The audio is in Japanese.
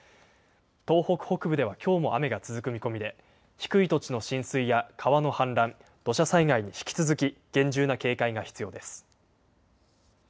東北北部ではきょうも雨が続く見込みで低い土地の浸水や川の氾濫、土砂災害に引き続き厳重な警戒が必要です。